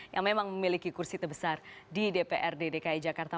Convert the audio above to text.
yang memang memiliki kursi terbesar di dprd dki jakarta